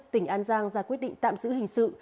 tỉnh an giang ra quyết định tạm giữ hình sự